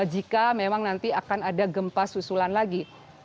jika memang nanti akan ada gempas usulan lagi